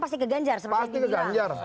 pasti ke ganjar